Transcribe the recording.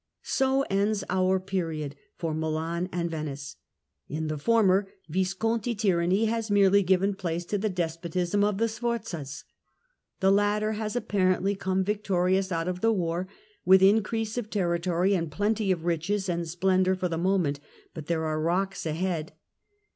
So ends our period for Milan and Venice. In the former, Visconti tyranny has merely given place to the despotism of the Sforzas. The latter has apparently come victorious out of the war, with increase of territory and plenty of riches and splendour for the moment, but there are rocks ahead.